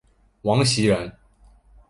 王袭人。